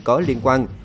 có liên quan